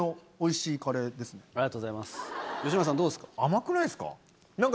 甘くないですか？